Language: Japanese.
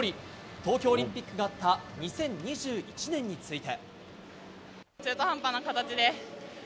東京オリンピックがあった２０２１年について。